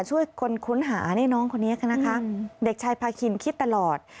ช่วยคนค้นหานี่น้องคนนี้นะคะเด็กชายพาคินคิดตลอด